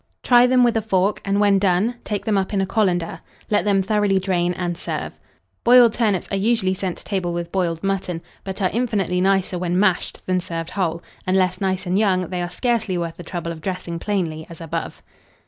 Try them with a fork, and, when done, take them up in a colander; let them thoroughly drain, and serve. Boiled turnips are usually sent to table with boiled mutton, but are infinitely nicer when mashed than served whole: unless nice and young, they are scarcely worth the trouble of dressing plainly as above.